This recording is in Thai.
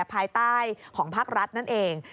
ภายใต้ของภาครัฐนั่นเอง